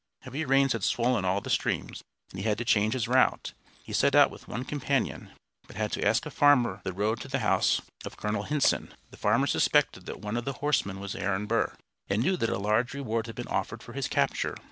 Heavy rains had swollen all the streams, and he had to change his route. He set out with one companion, but had to ask a farmer the road to the house of Colonel Hinson. The farmer suspected that one of the horsemen was Aaron Burr, and knew that a large reward had been offered for his capture.